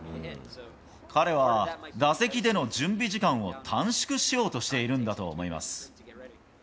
彼は打席での準備時間を短縮しようとしているんだと思います。